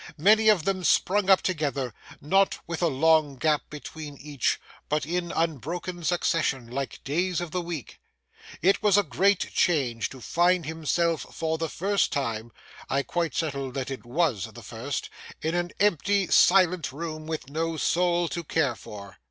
Many of them sprung up together, not with a long gap between each, but in unbroken succession like days of the week. It was a great change to find himself for the first time (I quite settled that it was the first) in an empty silent room with no soul to care for.